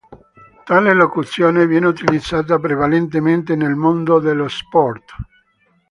Tale locuzione viene utilizzata prevalentemente nel mondo dello sport.